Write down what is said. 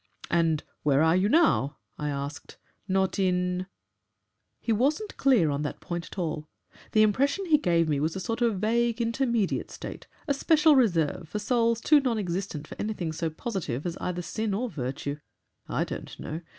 'And where are you now?' I asked. 'Not in ?' "He wasn't clear on that point at all. The impression he gave me was of a sort of vague, intermediate state, a special reserve for souls too non existent for anything so positive as either sin or virtue. I don't know.